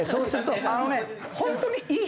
あのね。